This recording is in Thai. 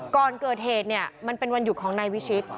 ก่อนเกิดเหตุเนี่ยมันเป็นวันหยุดของนายวิชิต